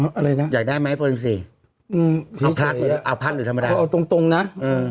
อืออะไรนะอยากได้ไหมเอาพักหรือธรรมดาเอาตรงตรงนะอือ